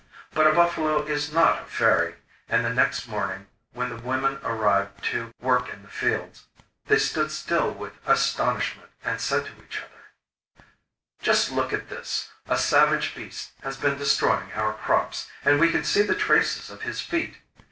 But a buffalo is not a fairy, and the next morning, when the women arrived to work in the fields, they stood still with astonishment, and said to each other: 'Just look at this; a savage beast has been destroying our crops, and we can see the traces of his feet!